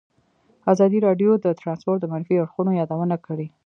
ازادي راډیو د ترانسپورټ د منفي اړخونو یادونه کړې.